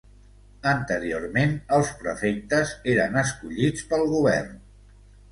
Anteriorment els prefectes eren escollits pel govern.